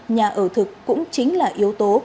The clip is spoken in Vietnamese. nhà ở thực cũng chính là yếu tố